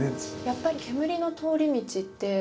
やっぱり煙の通り道って。